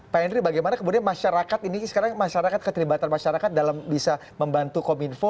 pak henry bagaimana kemudian masyarakat ini sekarang masyarakat keterlibatan masyarakat dalam bisa membantu kominfo